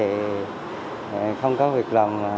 để không ai bị bỏ lại phía sau